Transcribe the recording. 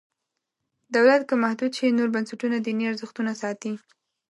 دولت که محدود شي نور بنسټونه دیني ارزښتونه ساتي.